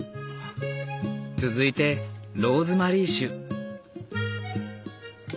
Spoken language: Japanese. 続いてローズマリー酒。